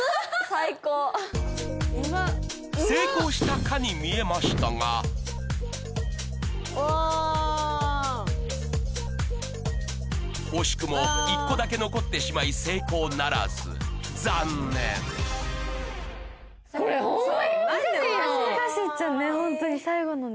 成功したかに見えましたが惜しくも１個だけ残ってしまい成功ならず残念これホンマに難しいの。